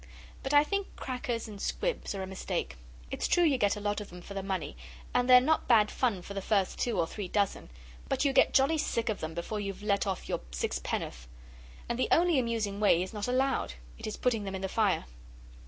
But I think crackers and squibs are a mistake. It's true you get a lot of them for the money, and they are not bad fun for the first two or three dozen, but you get jolly sick of them before you've let off your sixpenn'orth. And the only amusing way is not allowed: it is putting them in the fire.